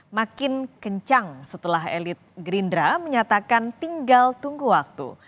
makin kencang setelah elit gerindra menyatakan tinggal tunggu waktu